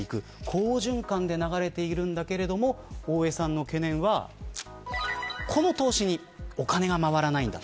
好循環で流れるんだけれども大江さんの懸念はこの投資にお金が回らないんだ。